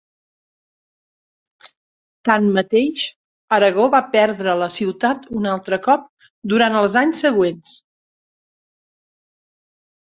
Tanmateix, Aragó va perdre la ciutat un altre cop durant els anys següents.